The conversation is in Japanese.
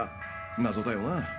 謎だよな。